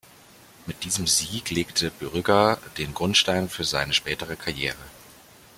Mit diesem Sieg legte Brügger den Grundstein für seine spätere Karriere.